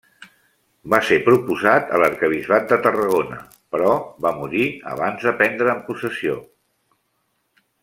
Va ser proposat a l'arquebisbat de Tarragona, però va morir abans de prendre'n possessió.